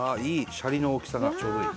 シャリの大きさがちょうどいい。